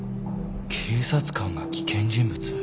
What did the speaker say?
警察官が危険人物。